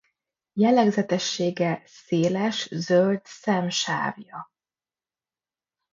Jellegzetessége széles zöld szemsávja.